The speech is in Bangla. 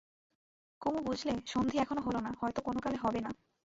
কুমু বুঝলে, সন্ধি এখনো হল না, হয়তো কোনো কালে হবে না।